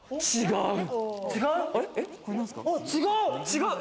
違う。